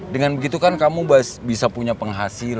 dengan begitu kan kamu bisa punya penghasilan